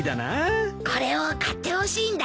これを買ってほしいんだ。